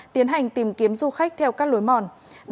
tiến hành tìm kiếm du khách theo các lối mòn